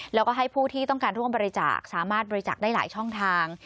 แล้วก็ให้ผู้ที่ต้องการร่วมบริจาคสามารถบริจาคได้หลายช่องทาง